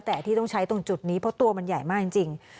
แต่ที่ต้องใช้ตรงจุดนี้เพราะตัวมันใหญ่มากจริง